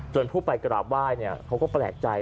ผู้ไปกราบไหว้เขาก็แปลกใจ